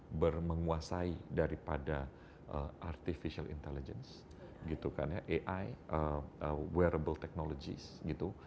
indonesia ber menguasai daripada artificial intelligence gitu kan ya ai wearable technologies gitu